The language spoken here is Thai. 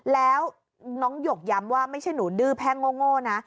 แล้วน้องหยกย้ำว่าไม่ใช่หนูดื้อแพ่งโง่นะ